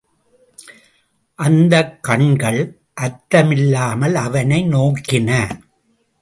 அந்தக் கண்கள் அர்த்தமில்லாமல் அவனை நோக்கின.